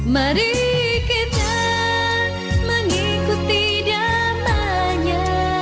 mari kita mengikuti damanya